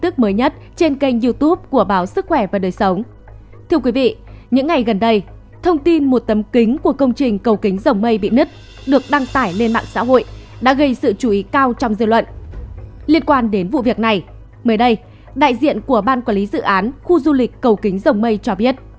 các bạn hãy đăng ký kênh để ủng hộ kênh của chúng mình nhé